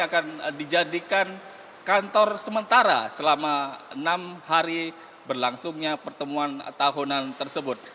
akan dijadikan kantor sementara selama enam hari berlangsungnya pertemuan tahunan tersebut